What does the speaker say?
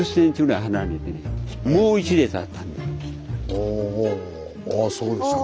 おおそうですか。